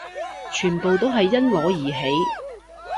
全部都係因我而起